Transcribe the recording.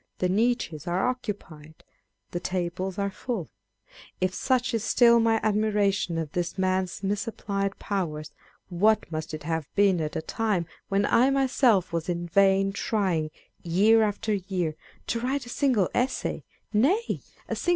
The niches are occupied, the tables are full. If such is still my admiration of this man's misapplied powers, what must it have been at a time when I myself was in vain trying, year after year, to write a single Essay, nay, a single page 1 He is there called " Citizen Lauderdale."